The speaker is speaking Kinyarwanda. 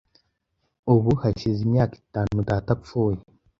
Ubu hashize imyaka itanu data apfuye.